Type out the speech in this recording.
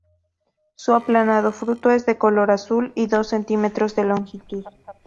Su aplanado fruto es de color azul y dos cm de longitud.